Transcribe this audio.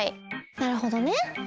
なるほどね。